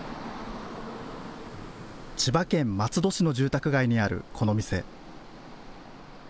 千葉県松戸市の住宅街にあるこの店。